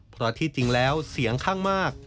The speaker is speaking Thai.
เพราะที่จริงแล้วเสียงข้างมาก